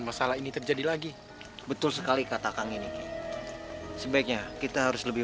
masalah ini terjadi lagi betul sekali kata kang ini sebaiknya kita harus lebih